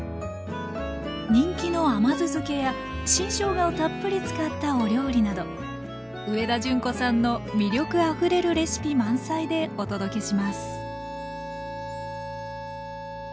人気の甘酢漬けや新しょうがをたっぷり使ったお料理など上田淳子さんの魅力あふれるレシピ満載でお届けします